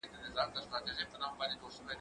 هغه وويل چي ليکنه مهمه ده؟!